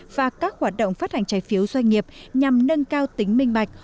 và các hoạt động phát hành trái phiếu doanh nghiệp nhằm nâng cao tính minh bạch